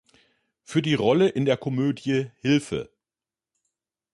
Für die Rolle in der Komödie "Hilfe!